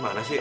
mana sih ada